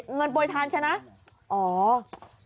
เงินปล่วยทานใช่ไหม